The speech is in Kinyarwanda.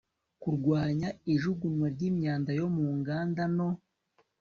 kurwanya ijugunywa ry'imyanda yo mu nganda no